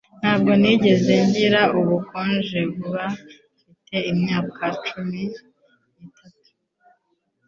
Ntabwo nigeze ngira ubukonje kuva mfite imyaka cumi n'itanu